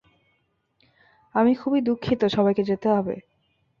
আমি খুবই দুঃখিত সবাইকে যেতে হবে।